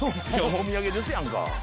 お土産ですやんか。